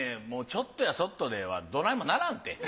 もうちょっとやそっとではどないもならんて。